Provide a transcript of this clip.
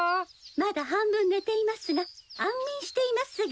まだ半分寝ていますが安眠していますが。